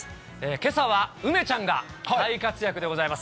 けさは梅ちゃんが大活躍でございます。